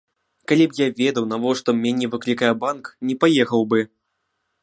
Калі б я ведаў, навошта мяне выклікае банк, не паехаў бы.